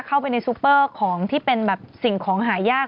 เข้าไปในซูเปอร์ของที่เป็นแบบสิ่งของหายาก